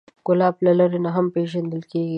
ګلاب له لرې نه هم پیژندل کېږي.